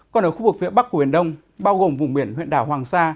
còn ở khu vực phía bắc của biển đông bao gồm vùng biển huyện đảo hoàng sa